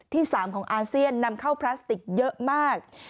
๓ของอาเซียนนำเข้าพลาสติกเยอะมาก